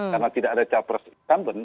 karena tidak ada cawapres incumbent